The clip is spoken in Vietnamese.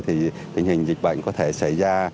thì tình hình dịch bệnh có thể xảy ra